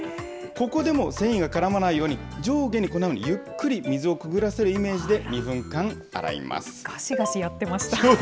ここでも繊維が絡まないように、上下にこのようにゆっくり水をくぐらせるイメージで２分間、洗いがしがしやってました。